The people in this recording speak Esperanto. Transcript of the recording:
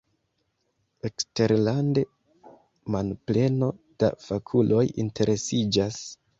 Eksterlande manpleno da fakuloj interesiĝas.